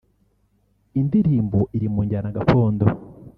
indirimbo iri mu njyana gakondo